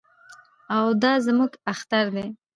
او دا زموږ اختر دی.